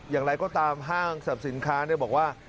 อย่างไรก็ตามห้างสรรพสินค้าบอกว่า